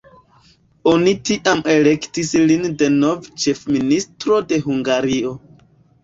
Oni tiam elektis lin denove ĉefministro de Hungario.